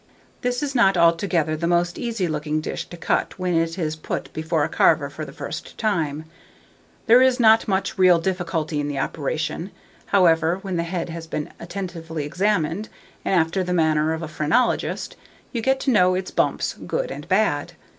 This is not altogether the most easy looking dish to cut when it is put before a carver for the first time; there is not much real difficulty in the operation, however, when the head has been attentively examined, and, after the manner of a phrenologist, you get to know its bumps, good and bad.